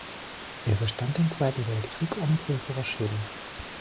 Er überstand den Zweiten Weltkrieg ohne größere Schäden.